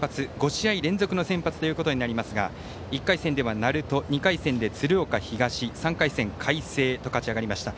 ５試合連続の先発となりますが１回戦では鳴門２回戦で鶴岡東３回戦、海星と勝ち上がりました。